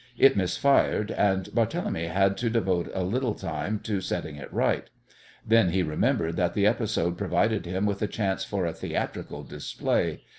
It misfired, and Barthélemy had to devote a little time to setting it right. Then he remembered that the episode provided him with a chance for a theatrical display.